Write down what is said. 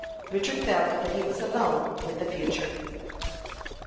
Richard felt that he was alone with the future.